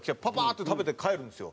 ッて食べて帰るんですよ。